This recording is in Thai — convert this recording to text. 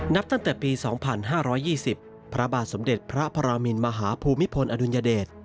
นับตั้งแต่ปี๒๕๒๐พระบาทสมเด็จพระประมินมหาภูมิพลอดุลยเดช